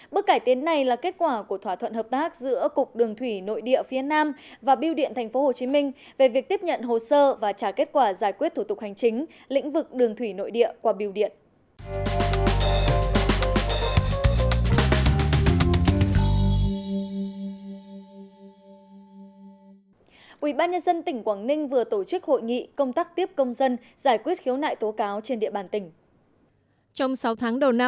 bước cải tiến này là kết quả của thỏa thuận hợp tác giữa cục đường thủy nội địa phía nam và biêu điện tp hcm về việc tiếp nhận hồ sơ và trả kết quả giải quyết thủ tục hành chính lĩnh vực đường thủy nội địa qua biêu điện